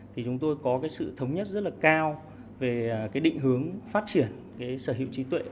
thì chúng tôi có sự thống nhất rất cao về định hướng phát triển sở hữu trí tuệ